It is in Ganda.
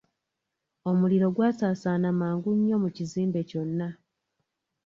Omuliro gwasaasaana mangu nnyo mu kizimbe kyonna.